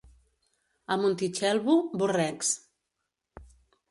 A Montitxelvo, borrecs.